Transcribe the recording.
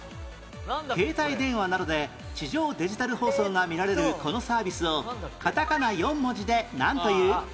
携帯電話などで地上デジタル放送が見られるこのサービスをカタカナ４文字でなんという？